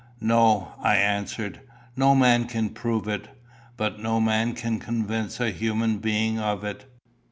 "No," I answered. "No man can prove it. But no man can convince a human being of it.